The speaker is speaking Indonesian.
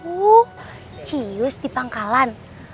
oh cius di pangkalan